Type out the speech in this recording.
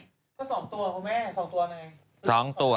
ก็๒ตัวครับพ่อแม่๒ตัวอะไร